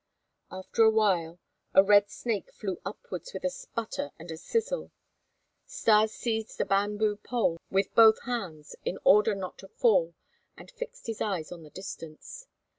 After a while a red snake flew upwards with a sputter and a sizzle. Stas seized a bamboo pole with both hands in order not to fall and fixed his eyes on the distance.